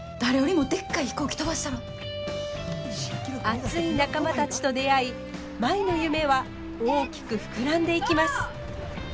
熱い仲間たちと出会い舞の夢は大きく膨らんでいきます。